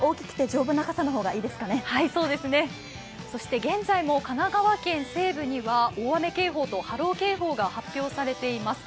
そして現在も神奈川県西部には大雨警報と波浪警報が発表されています。